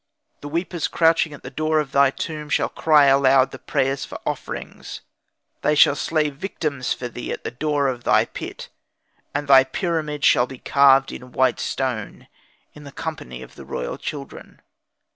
The weepers crouching at the door of thy tomb shall cry aloud the prayers for offerings: they shall slay victims for thee at the door of thy pit; and thy pyramid shall be carved in white stone, in the company of the royal children.